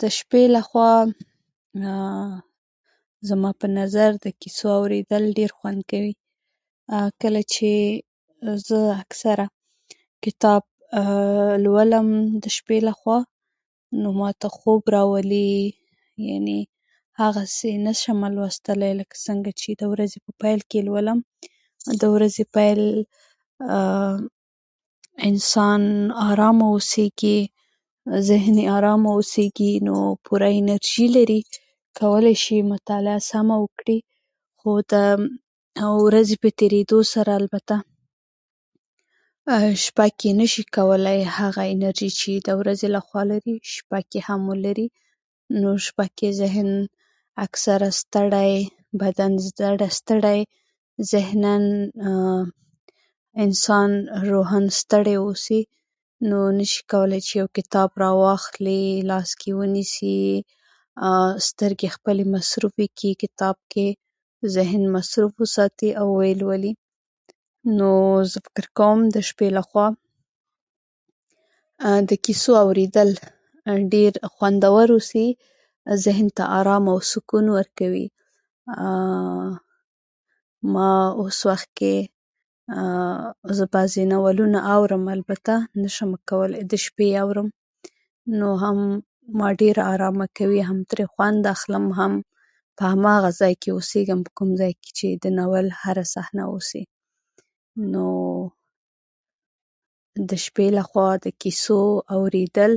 د شپې لخوا زما په نظر د کيسو اورېدل ډېر خوند کوي. کله چې زه اکثر کتاب لولم، د شپې لخوا نو ماته خوب راولي، يعنې هغسې نشم لوستلی لکه څنګه چې د ورځې په پيل کې لولم. د ورځې په پيل کې انسان ارام اوسېږي، ذهن يې ارام اوسېږي، نو پوره انرژي لري او کولی شي مطالعه سمه وکړي. خو د ورځې په تېرېدو سره، البته شپه کې نشي کولې هغه انرژې چې د ورځې لخوا لرې شپه کې هم ولري ، نو شپه اکثر زهن ستړی بدن ستړی، زهنن انسان روحن ستړی اوسي نو نشي کولی چې يو کتاب رواخلي، لاس کې يې ونېسي سترګې خپلي مصروفه کړي کتاب کې ذهن مصروف وساتي او ويولي . نو زه فکر کوم چې د شپې لخوا د کيسو اورېدل ډېر خوندور اوسي، ذهن ته ارامي او سکون ورکوي. ما اوس وخت کې زه بعضي ناولونه اورم، البته نشم کولو د شپې اورم نو هم ما ډېره ارمه کوي او خوند اخلم. هم په هماغه ځای کې اوسېږم چي د ناول هره صحنه اوسې. نو د شپې لخوا د کيسو اورېدل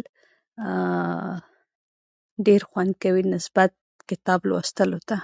ډير خوند کوي نسبت کتاب لوستلو ته